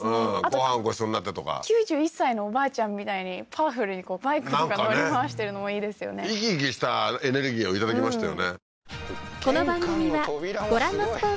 ごちそうになってとか９１歳のおばあちゃんみたいにパワフルにバイクとか乗り回してるのもいいですよね生き生きしたエネルギーをいただきましたよね